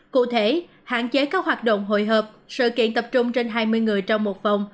cụ thể hạn chế các hoạt động hội hợp sự kiện tập trung trên hai mươi người trong một phòng